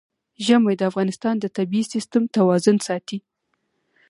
ژمی د افغانستان د طبعي سیسټم توازن ساتي.